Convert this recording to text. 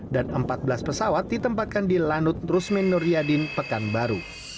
dan empat belas pesawat ditempatkan di lanut rusmin nuryadin pekanbaru